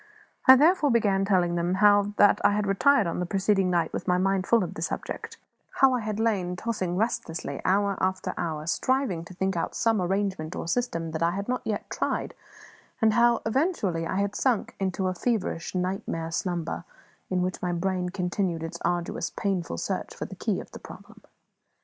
I therefore began by telling them how that I had retired on the preceding night with my mind full of the subject; how I had lain tossing restlessly, hour after hour, striving to think out some arrangement or system that I had not yet tried; and how eventually I had sunk into a feverish, nightmare slumber in which my brain continued its arduous, painful search for the key of the problem.